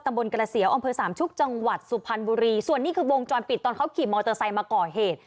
บนกระเสียวอำเภอสามชุกจังหวัดสุพรรณบุรีส่วนนี้คือวงจรปิดตอนเขาขี่มอเตอร์ไซค์มาก่อเหตุ